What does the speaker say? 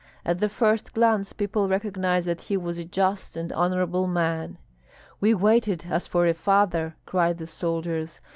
At the first glance people recognized that he was a just and honorable man. "We waited as for a father!" cried the soldiers.